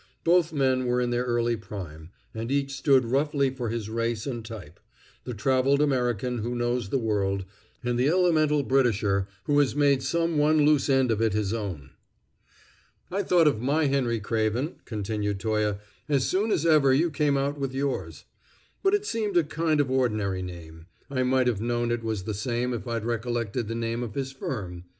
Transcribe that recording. Both men were in their early prime, and each stood roughly for his race and type: the traveled American who knows the world, and the elemental Britisher who has made some one loose end of it his own. "I thought of my Henry Craven," continued Toye, "as soon as ever you came out with yours. But it seemed a kind of ordinary name. I might have known it was the same if I'd recollected the name of his firm.